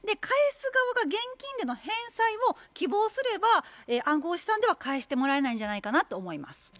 返す側が現金での返済を希望すれば暗号資産では返してもらえないんじゃないかなと思います。